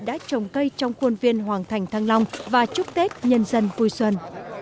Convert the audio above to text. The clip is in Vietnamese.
đã trồng cây trong khuôn viên hoàng thành thăng long và chúc tết nhân dân vui xuân